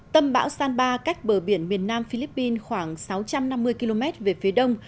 tâm bão san ba cách bờ biển miền nam philippines khoảng sáu trăm năm mươi km về phía đông